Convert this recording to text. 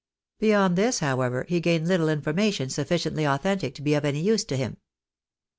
Beyond this, however, he gained little information sufficiently authentic to be of any use to him.